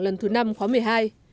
lần thứ năm khóa một mươi hai